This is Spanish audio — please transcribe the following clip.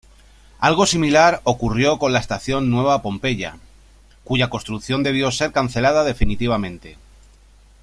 Algo similar ocurrió con la estación Nueva Pompeya, cuya construcción debió ser cancelada definitivamente.